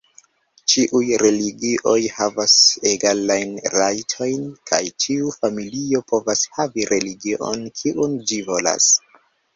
Ĉiuj religioj havas egalajn rajtojn, kaj ĉiu familio povas havi religion, kiun ĝi volas.